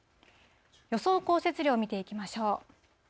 予想降雪量見ていきましょう。